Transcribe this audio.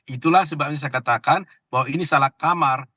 itulah sebabnya saya katakan bahwa ini salah kamar